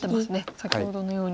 先ほどのように。